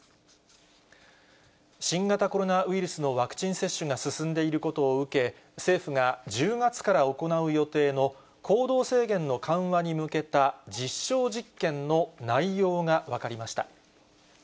新型コロナウイルスのワクチン接種が進んでいることを受け、政府が１０月から行う予定の行動制限の緩和に向けた実証実験の内容が分かりました。